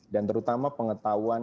dan terutama pengetahuan